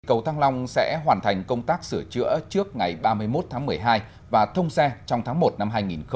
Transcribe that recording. cầu thăng long sẽ hoàn thành công tác sửa chữa trước ngày ba mươi một tháng một mươi hai và thông xe trong tháng một năm hai nghìn hai mươi